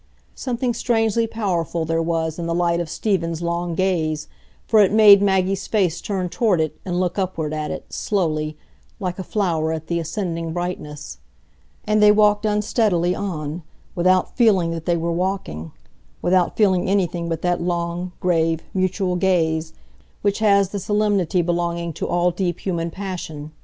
Something strangely powerful there was in the light of Stephen's long gaze, for it made Maggie's face turn toward it and look upward at it, slowly, like a flower at the ascending brightness. And they walked unsteadily on, without feeling that they were walking; without feeling anything but that long, grave, mutual gaze which has the solemnity belonging to all deep human passion.